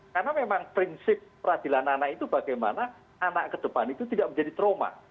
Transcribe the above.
karena memang prinsip peradilan anak itu bagaimana anak ke depan itu tidak menjadi trauma